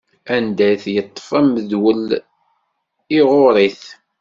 Anda d-yeṭṭef amedwel, iɣuṛṛ-it.